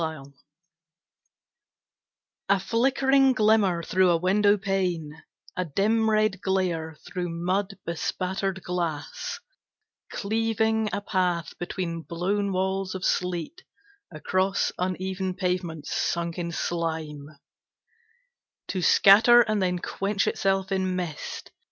Huysmans A flickering glimmer through a window pane, A dim red glare through mud bespattered glass, Cleaving a path between blown walls of sleet Across uneven pavements sunk in slime To scatter and then quench itself in mist.